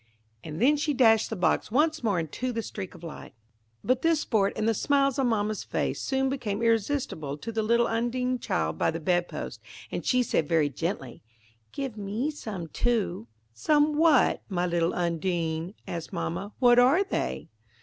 and then she dashed the box once more into the streak of light. But this sport and the smiles on mamma's face soon became irresistible to the little Undine child by the bed post, and she said, very gently, "Give me some, too." "Some 'what?', my little Undine?" asked mamma: "what are they?"